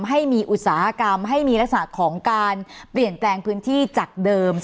ให้มีอุตสาหกรรมให้มีลักษณะของการเปลี่ยนแปลงพื้นที่จากเดิม